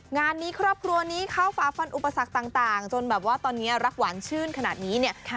งานนี้ครอบครัวนี้เข้าฝาฟันอุปสรรคต่างจนแบบว่าตอนนี้รักหวานชื่นขนาดนี้เนี่ย